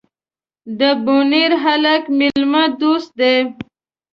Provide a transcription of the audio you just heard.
ده بونیر هلک میلمه دوست دي.